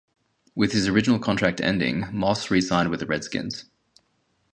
With his original contract ending, Moss re-signed with the Redskins.